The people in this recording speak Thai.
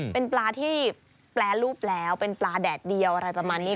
เป็นปลาที่แปรรูปแล้วเป็นปลาแดดเดียวอะไรประมาณนี้